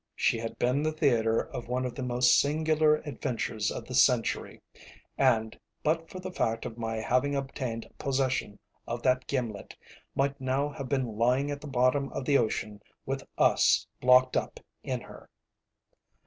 She had been the theatre of one of the most singular adventures of the Century, and, but for the fact of my having obtained possession of that gimlet, might now have been lying at the bottom of the ocean, with us locked up in her.